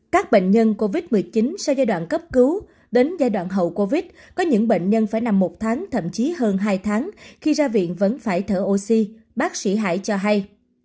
các bệnh nhân covid một mươi chín sau giai đoạn cấp cứu đến giai đoạn hậu covid có những bệnh nhân phải nằm một tháng thậm chí hơn hai tháng khi ra viện vẫn phải thở oxy bác sĩ hải cho hay